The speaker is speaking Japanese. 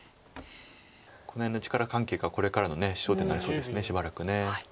この辺の力関係がこれからの焦点になりそうですしばらく。